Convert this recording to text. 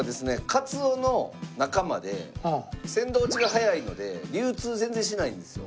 カツオの仲間で鮮度落ちが早いので流通全然しないんですよ。